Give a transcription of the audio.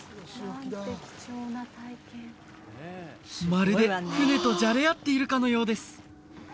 まるで船とじゃれ合っているかのようです